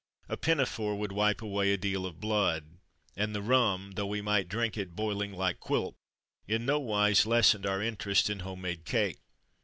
A pinafore would wipe away a deal of blood, and the rum, though we might drink it boiling like Quilp, in no wise lessened our interest in home made cake.